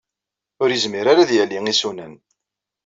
Ur yezmir ara ad yali isunan.